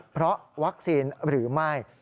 เพราะวัคซีนหรือไม่